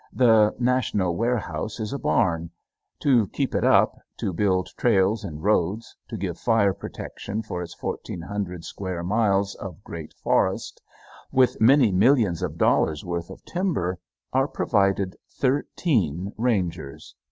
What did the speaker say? The national warehouse is a barn. To keep it up, to build trails and roads, to give fire protection for its fourteen hundred square miles of great forest, with many millions of dollars worth of timber, are provided thirteen rangers!